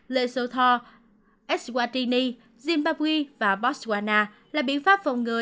lesotho eswatini zimbabwe và botswana là biện pháp phòng ngừa